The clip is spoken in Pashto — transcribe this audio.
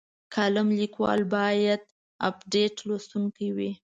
کالم لیکوال باید ابډیټ لوستونکی وي.